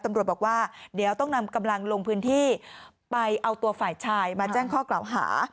ตำรวจบอกว่าเดี๋ยวต้องนำกำลังลงพื้นที่ไปเอาตัวฝ่ายชายมาแจ้งข้อกล่าวหา